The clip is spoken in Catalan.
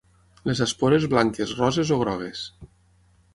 Les espores blanques, roses o grogues.